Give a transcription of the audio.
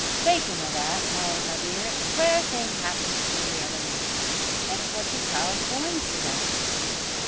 Spakin' o' that, Molly my dear, a quare thing happened to me the other night. It's what ye call a coinsidence."